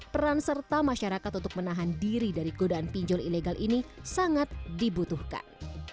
peran serta masyarakat untuk menahan diri dari godaan pinjol ilegal ini sangat dibutuhkan